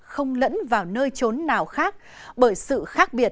không lẫn vào nơi trốn nào khác bởi sự khác biệt